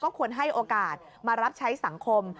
ควรให้โอกาสมารับใช้สังคม